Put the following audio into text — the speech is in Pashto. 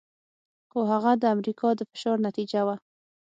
خو هغه د امریکا د فشار نتیجه وه.